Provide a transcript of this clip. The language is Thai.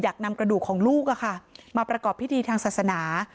นำกระดูกของลูกมาประกอบพิธีทางศาสนา